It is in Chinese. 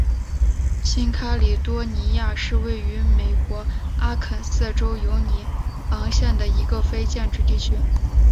新喀里多尼亚是位于美国阿肯色州犹尼昂县的一个非建制地区。